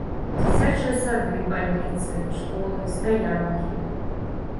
Дзіцячыя сады, бальніцы, школы, стаянкі.